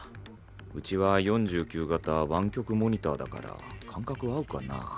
うちは４９型湾曲モニターだから感覚合うかな？